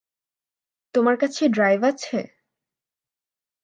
তোমার কাছে ড্রাইভ আছে?